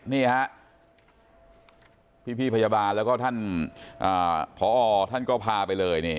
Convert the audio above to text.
นี่ฮะพี่พยาบาลแล้วก็ท่านผอท่านก็พาไปเลย